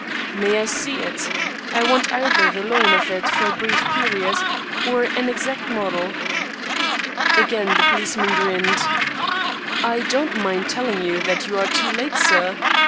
"May I see it? I want either the loan of it for a brief period, or an exact model." Again the policeman grinned. "I don't mind telling you that you are too late, sir."